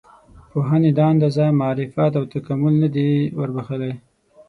پوهنې دا اندازه معرفت او تکامل نه دی وربښلی.